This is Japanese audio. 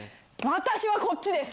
私はこっちです。